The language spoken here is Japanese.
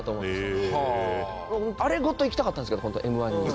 あれごと行きたかったんですけどホントはＭ−１に。